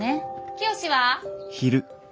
きよしは？